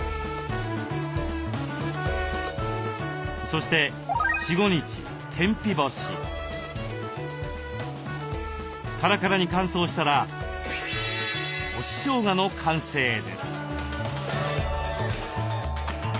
そしてカラカラに乾燥したら干ししょうがの完成です。